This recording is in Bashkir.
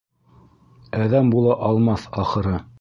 Әҙәм була алмаҫ, ахыры.